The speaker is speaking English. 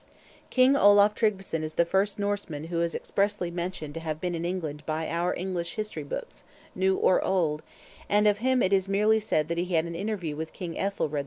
King Olaf Tryggveson is the first Norseman who is expressly mentioned to have been in England by our English History books, new or old; and of him it is merely said that he had an interview with King Ethelred II.